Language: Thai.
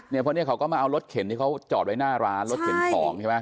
เพราะเนี่ยเขาก็มาเอารถเข็นที่เขาจอดไว้หน้าร้านรถเข็นของใช่ไหม